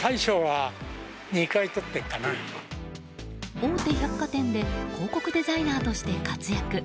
大手百貨店で広告デザイナーとして活躍。